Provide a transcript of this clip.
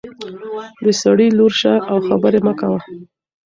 د سړي لور شه او خبرې مه کوه.